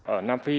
ở nam phi